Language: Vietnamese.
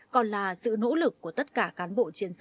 còn là sự nỗ lực của tất cả cán bộ chiến sĩ